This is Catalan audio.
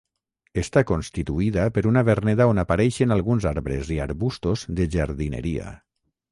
Està constituïda per una verneda on apareixen alguns arbres i arbustos de jardineria.